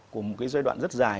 của một cái giai đoạn rất dài